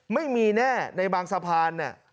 ไม่มีแน่ในบางสะพานเนี่ย